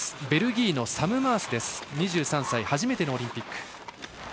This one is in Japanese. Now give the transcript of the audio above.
ベルギーのサム・マース２３歳、初めてのオリンピック。